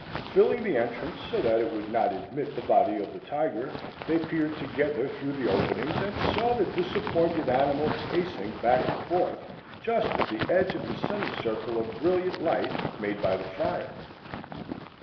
Filling the entrance so that it would not admit the body of the tiger, they peered together through the openings and saw the disappointed animal pacing back and forth just at the edge of the semi circle of brilliant light made by the fire.